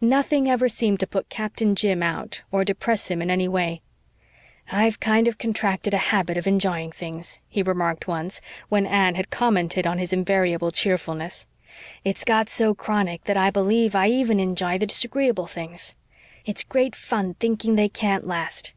Nothing ever seemed to put Captain Jim out or depress him in any way. "I've kind of contracted a habit of enj'ying things," he remarked once, when Anne had commented on his invariable cheerfulness. "It's got so chronic that I believe I even enj'y the disagreeable things. It's great fun thinking they can't last.